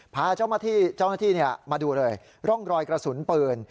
พาเจ้าหน้าที่มาดูเลยร่องรอยกระสุนปืน